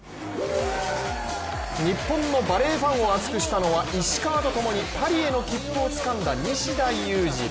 日本のバレーファンを熱くしたのは石川とともにパリへの切符をつかんだ西田有志。